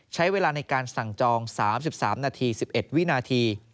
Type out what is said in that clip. ใช้เวลาในการสั่งจอง๓๓นาที๑๑วินาที